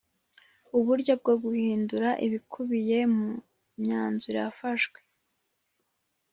Uburyo bwo guhindura ibikubiye mu myanzuro yafashwe